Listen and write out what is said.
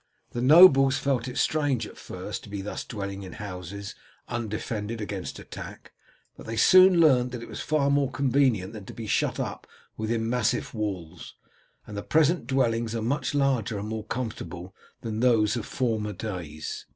The nobles felt it strange at first to be thus dwelling in houses undefended against attack, but they soon learnt that it was far more convenient than to be shut up within massive walls, and the present dwellings are much larger and more comfortable than those of former days.